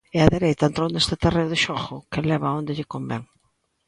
E a dereita entrou neste terreo de xogo, que leva a onde lle convén.